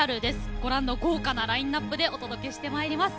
ご覧の豪華なラインナップでお届けしてまいります。